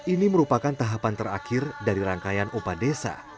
ini merupakan tahapan terakhir dari rangkaian upadesa